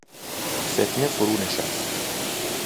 فتنه فرو نشست